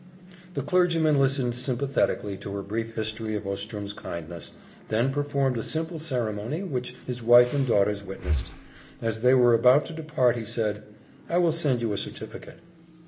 The clergyman listened sympathetically to her brief history of Ostrom's kindness, then performed a simple ceremony which his wife and daughters witnessed. As they were about to depart he said, "I will send you a certificate."